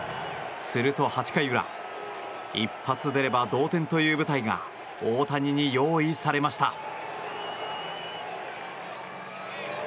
すると８回裏、一発出れば同点という舞台が大谷に用意されました。